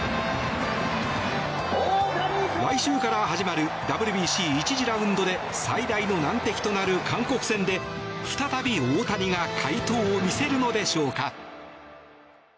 来週から始まるＷＢＣ、１次ラウンドで最大の難敵となる韓国戦で再び大谷が快投を見せるのでしょうか。